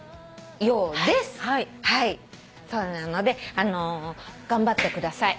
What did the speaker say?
そうなので頑張ってください。